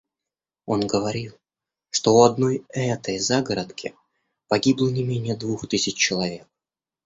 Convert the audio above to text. Он говорил, что у одной этой загородки погибло не менее двух тысяч человек.